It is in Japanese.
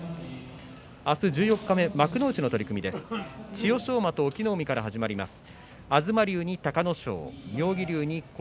明日、十四日目、幕内の取組です。